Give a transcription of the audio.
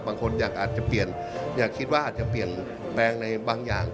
บางคนอาจจะเปลี่ยนอยากคิดว่าอาจจะเปลี่ยนแปลงในบางอย่าง